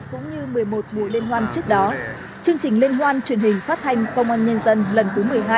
cũng như một mươi một buổi liên hoan trước đó chương trình liên hoan truyền hình phát thanh công an nhân dân lần thứ một mươi hai